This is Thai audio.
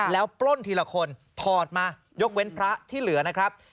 แล้วปล้นทีละคนถอดมายกเว้นพระที่เหลือนะครับ